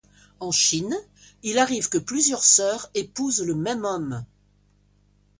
En chine, il arrive que plusieurs sœurs épousent le même homme.